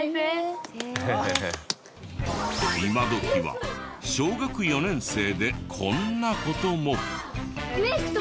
今どきは小学４年生でこんな事も。